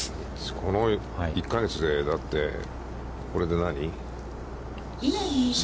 この１か月でこれで何？